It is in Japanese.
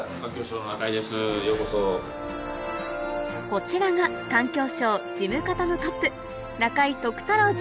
こちらが環境省事務方のトップうわ。